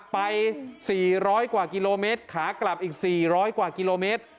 ไป๔๐๐กว่ากิโลเมตรขากลับอีก๔๐๐กว่ากิโลเมตร